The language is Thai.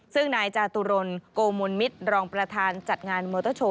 ซึ่งนายจาตุรนโกมนมิตรรองประธานจัดงานมอเตอร์โชว